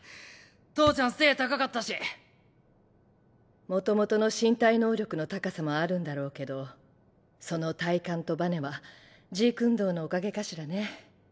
父ちゃん背ぇ高かったしもともとの身体能力の高さもあるんだろうけどその体幹とバネはジークンドーのおかげかしらね。